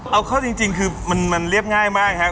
เอาเข้าจริงคือมันเรียบง่ายมากครับ